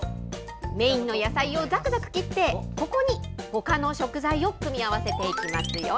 メインの野菜をざくざく切って、ここにほかの食材を組み合わせていきますよ。